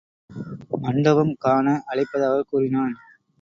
மண்டபம் காண அழைப்பதாகக் கூறினான்.